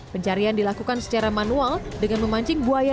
pencarian dilakukan secara manual dengan memancing buaya